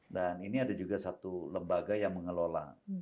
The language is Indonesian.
ini ada juga satu lembaga yang mengelola